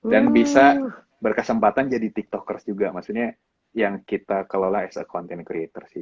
dan bisa berkesempatan jadi tiktokers juga maksudnya yang kita kelola as a content creator gitu ya